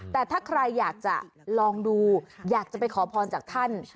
แต่ถ้าใครอยากจะลองดูอยากจะไปขอพรจากท่าน